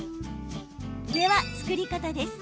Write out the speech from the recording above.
では、作り方です。